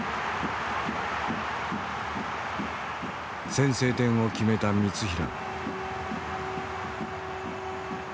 先制点を決めた三平。